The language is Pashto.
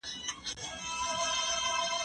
زه به سبا قلم استعمالوموم وم!